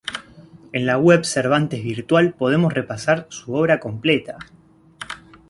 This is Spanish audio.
En la web Cervantes Virtual podemos repasar su obra completa.